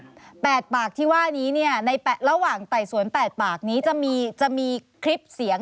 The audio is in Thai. ก็คือ๘ปากที่ว่านี้เนี่ยใน๘เร่างแต่สวน๘ปากนี้จะมีคริปเสียง